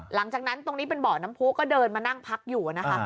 หลังจากนั้นตรงนี้เป็นเบาะน้ำผู้ก็เดินมานั่งพักอยู่นะคะ